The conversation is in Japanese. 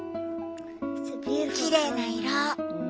きれいな色。